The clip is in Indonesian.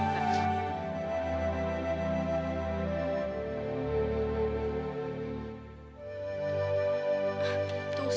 ini yang harus diberikan pak